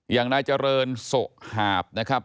อย่างนายเจริญโสหาบนะครับ